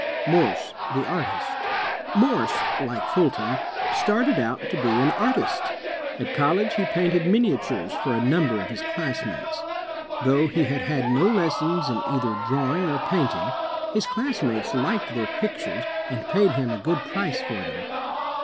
Morse the Artist Morse, like Fulton, started out to be an artist. At college, he painted miniatures for a nmnber of his class mates. Though he had had no lessons in either drawing or painting, his classmates liked their pictures and paid him a good price for them.